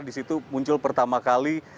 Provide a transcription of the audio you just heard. di situ muncul pertama kali